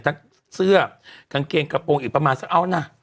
เสื้อกางเกงกระโปรงอีกประมาณสักเอานะ